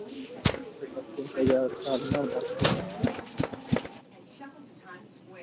Katta chap cho‘ntagi astarini ag‘darib ko‘rsatdi.